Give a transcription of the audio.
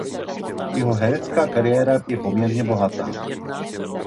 Jeho herecká kariéra je poměrně bohatá.